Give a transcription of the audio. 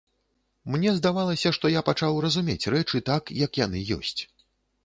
Мне здавалася, што я пачаў разумець рэчы так, як яны ёсць.